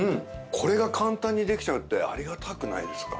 これが簡単にできちゃうってありがたくないですか？